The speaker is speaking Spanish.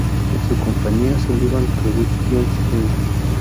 Su compañía Sullivan Productions, Inc.